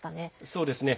そうですね。